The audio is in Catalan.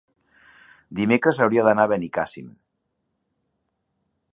Dimecres hauria d'anar a Benicàssim.